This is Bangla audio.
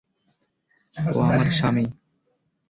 ও আমার স্বামী।